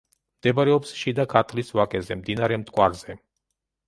მდებარეობს შიდა ქართლის ვაკეზე, მდინარე მტკვარზე.